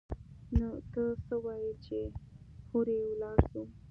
نو ته څه وايي چې هورې ولاړ سو؟